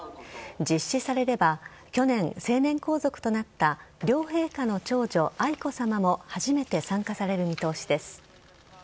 実施されれば去年、成年皇族となった両陛下の長女・愛子さまも初めて参加される見通しです。